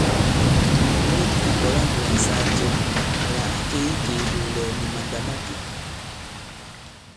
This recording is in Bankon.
Mùt à kɔ̀la ndī à saa cɛ àla à ke i ikè ìlòòlɛ̀gɛ̀ nì màndà̂makè ?